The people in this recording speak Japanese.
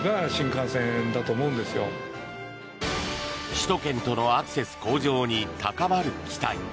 首都圏とのアクセス向上に高まる期待。